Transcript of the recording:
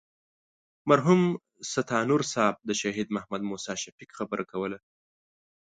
مرحوم ستانور صاحب د شهید محمد موسی شفیق خبره کوله.